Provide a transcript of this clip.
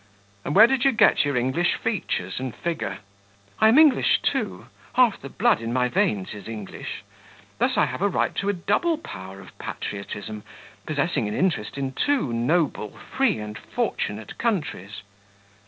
"And where did you get your English features and figure?" "I am English, too; half the blood in my veins is English; thus I have a right to a double power of patriotism, possessing an interest in two noble, free, and fortunate countries."